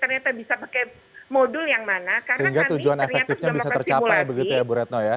ternyata sudah mempersimulasi sehingga tujuan efektifnya bisa tercapai begitu ya bu retno ya